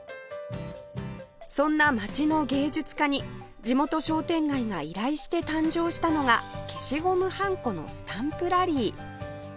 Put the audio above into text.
そんな街の芸術家に地元商店街が依頼して誕生したのが消しゴムはんこのスタンプラリー